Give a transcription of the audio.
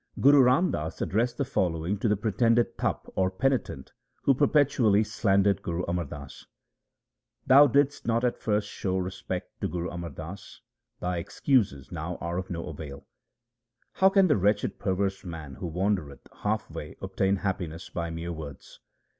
Guru Ram Das addressed the following to the pre tended Tapa, or penitent, who perpetually slandered Guru Amar Das :— Thou didst not at first show respect to Guru Amar Das ; thy excuses now are of no avail. How can the wretched perverse man who wandereth half way obtain happiness by mere words